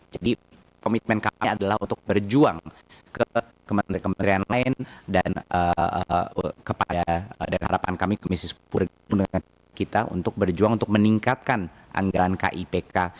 jadi komitmen kami adalah untuk berjuang ke kementerian lain dan harapan kami komisi sepuluh dengan kita untuk berjuang untuk meningkatkan anggaran kipk